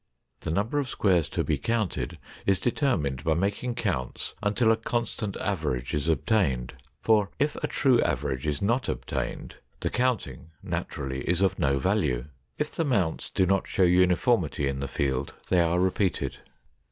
The number of squares to be counted is determined by making counts until a constant average is obtained, for if a true average is not obtained, the counting, naturally, is of no value. If the mounts do not show uniformity in the field, they are repeated.